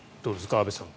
安部さん